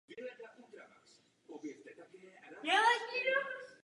Okruh má jako jediný v mistrovství tvar „osmičky“ a je mezi jezdci velmi populární.